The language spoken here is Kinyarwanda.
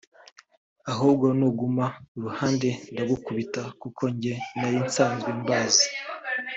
‘ahubwo nunguma iruhande ndagukubita’ kuko njye nari nsanzwe mbazi